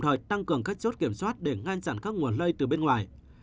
thời tăng cường các chốt kiểm soát để ngăn chặn các nguồn lây từ bên ngoài